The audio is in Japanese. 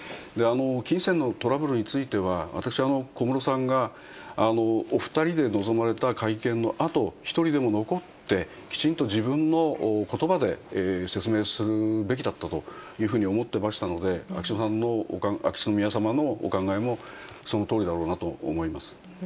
金銭のトラブルについては、私、小室さんが、お２人で臨まれた会見のあと、１人でも残って、きちんと自分のことばで説明するべきだったというふうに思ってましたので、秋篠宮さまのお考えもそのとおりだろうなと思います。